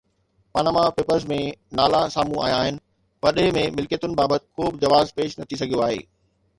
Panama Papers ۾ نالا سامهون آيا آهن، پرڏيهه ۾ ملڪيتن بابت ڪو به جواز پيش نه ٿي سگهيو آهي.